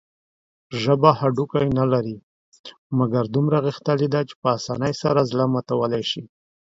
ژبه هډوکي نلري، مګر دومره غښتلي ده چې په اسانۍ سره زړه ماتولى شي.